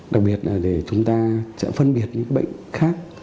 đặc biệt là để chúng ta sẽ phân biệt những bệnh khác